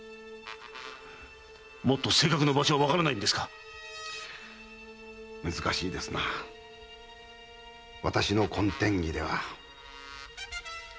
もっと正確な場所はわからないんですか⁉難しいですな私の渾天儀では。